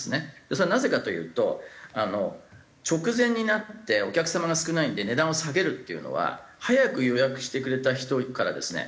それはなぜかというと直前になってお客様が少ないんで値段を下げるっていうのは早く予約してくれた人からですね